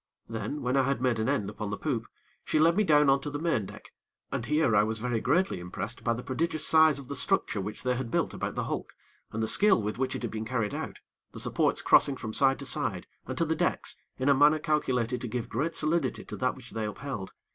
Then when I had made an end upon the poop, she led me down on to the main deck, and here I was very greatly impressed by the prodigious size of the structure which they had built about the hulk, and the skill with which it had been carried out, the supports crossing from side to side and to the decks in a manner calculated to give great solidity to that which they upheld.